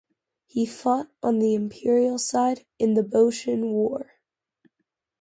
He fought on the imperial side in the Boshin War.